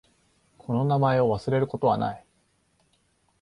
この名前を忘れることはない。